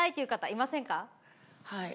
はい。